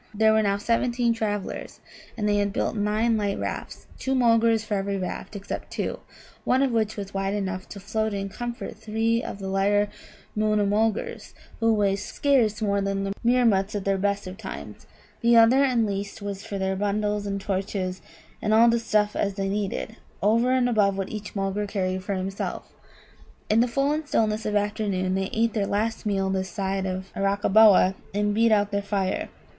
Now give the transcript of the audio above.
There were now seventeen travellers, and they had built nine light rafts two Mulgars for every raft, except two; one of which two was wide enough to float in comfort three of the lighter Moona mulgars, who weigh scarce more than Meermuts at the best of times; the other and least was for their bundles and torches and all such stuff as they needed, over and above what each Mulgar carried for himself. In the full and stillness of afternoon they ate their last meal this side of Arakkaboa, and beat out their fire.